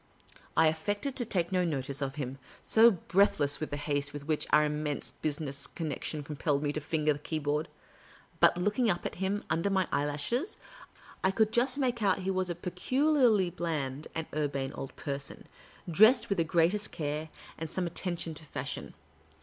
I affected to take no notice of him, so breath less was the haste with which our immense business connec tion compelled me to finger the keyboard ; but, looking up at him under my eyehishes, I could just make out he was a peculiarly bland and urbane old person, dressed with the greatest care, and some atten tion to fashion.